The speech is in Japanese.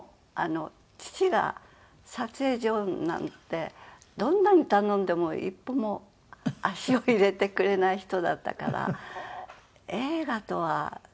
父が撮影所なんてどんなに頼んでも一歩も足を入れてくれない人だったから映画とは。